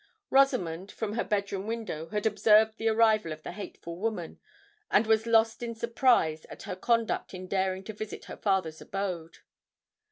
Rosamond, from her bed room window, had observed the arrival of the hateful woman, and was lost in surprise at her conduct in daring to visit her father's abode.